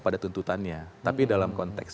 pada tuntutannya tapi dalam konteks